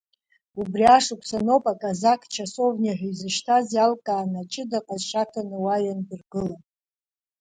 Убри ашықәсан ауп аказақ часовниа ҳәа изышьҭаз иалкааны аҷыда ҟазшьа аҭаны уа иандыргыла.